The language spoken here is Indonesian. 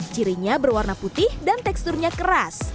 cirinya berwarna putih dan teksturnya keras